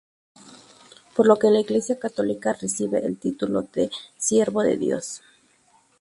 Por lo que en la Iglesia católica recibe el título de siervo de Dios.